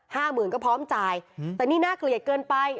หมื่นก็พร้อมจ่ายอืมแต่นี่น่าเกลียดเกินไป